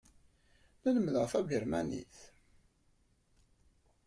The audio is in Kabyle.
La lemmdeɣ tabirmanit.